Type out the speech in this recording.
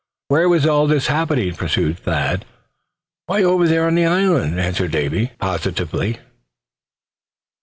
"Where was all this happening?" pursued Thad. "Why, over there on the island!" answered Davy, positively.